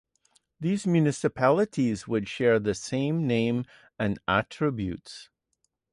These municipalities would share the same name and attributes.